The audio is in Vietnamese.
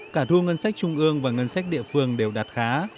cả thu ngân sách trung ương và ngân sách địa phương đều đạt khá